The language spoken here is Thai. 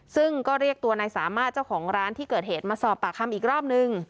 ซึ่งก็เรียกตัวนายสามารถเจ้าของร้านที่เกิดเหตุมาสอบปากคำอีกรอบนึง